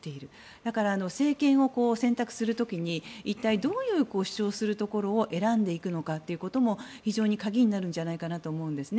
だから、政権を選択する時にどういう主張をするところを選んでいくかというところも非常に鍵になるんじゃないかなと思うんですね。